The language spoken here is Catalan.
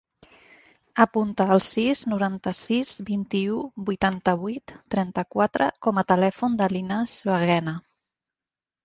Apunta el sis, noranta-sis, vint-i-u, vuitanta-vuit, trenta-quatre com a telèfon de l'Inas Baguena.